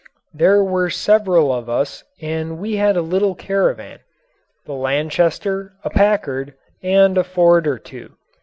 There were several of us and we had a little caravan the Lanchester, a Packard, and a Ford or two.